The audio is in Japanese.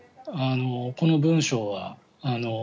この文章は。